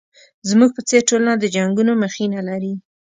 زموږ په څېر ټولنه د جنګونو مخینه لري.